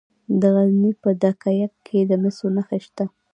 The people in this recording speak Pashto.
د غزني په ده یک کې د مسو نښې شته.